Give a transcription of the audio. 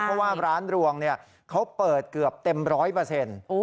เพราะว่าร้านรวงเนี่ยเขาเปิดเกือบเต็มร้อยเปอร์เซ็นต์